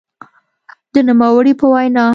د نوموړي په وینا؛